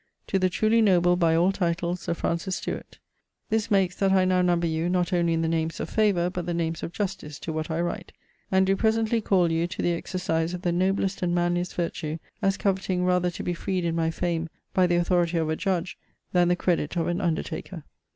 'To the truly noble by all titles Sir Francis Stuart. 'This makes that I now number you not only in the names of favour but the names of justice to what I write, and doe presently call you to the exercise of the noblest and manliest vertue as coveting rather to be freed in my fame by the authority of a judge than the credit of an undertaker.'